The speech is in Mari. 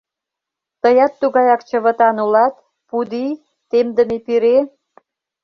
Тыят тугаяк чывытан улат, пудий, темдыме пире!